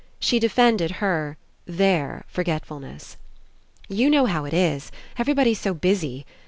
She defended her — their — forgetfulness. "You know how It is. Everybody's so busy.